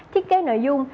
thiết kế nội dung